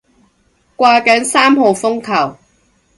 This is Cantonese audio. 掛緊三號風球